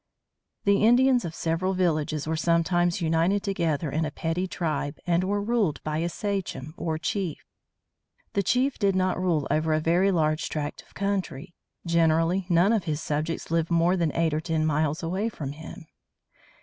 The Indians of several villages were sometimes united together in a petty tribe and were ruled by a sachem, or chief. The chief did not rule over a very large tract of country. Generally none of his subjects lived more than eight or ten miles away from him.